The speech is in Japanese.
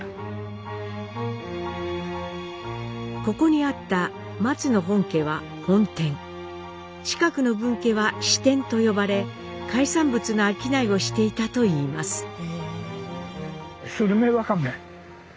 ここにあった松野本家は本店近くの分家は支店と呼ばれ海産物の商いをしていたといいます。